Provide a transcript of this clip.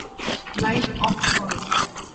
Light off কর।